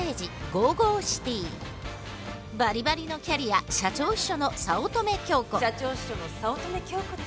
バリバリのキャリア社長秘書の早乙女京子です。